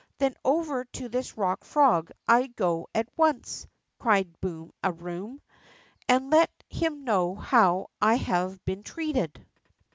Then over to this Kock Frog I go at once !" cried Boom a Eoom, and let him know how I have been treated."